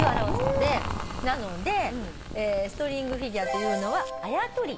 なのでストリングフィギュアっていうのは。